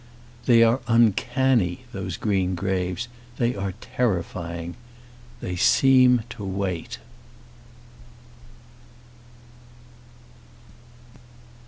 They are uncanny, those green graves, they are terrifying. They seem to wait.